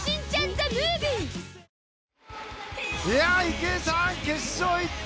池江さん、決勝行った！